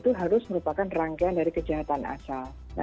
tppu itu merupakan rangkaian dari kejahatan asal